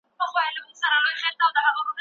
که تاسي متحد پاتې سئ دښمن به مو هیڅ ونه سي کړای.